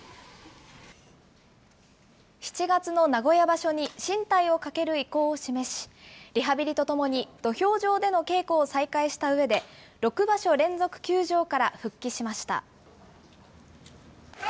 ７月の名古屋場所に進退をかける意向を示し、リハビリとともに土俵上での稽古を再開したうえで、６場所連続休場から復帰しました。